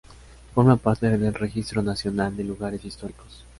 Forma parte del Registro Nacional de Lugares Históricos.